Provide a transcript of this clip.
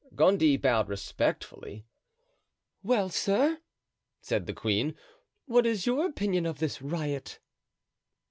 Gondy bowed respectfully. "Well, sir," said the queen, "what is your opinion of this riot?"